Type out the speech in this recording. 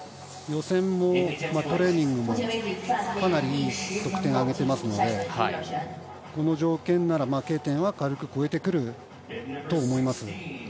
予選もトレーニングもかなりいい得点を挙げていますのでこの条件ならＫ点は軽く越えてくると思います。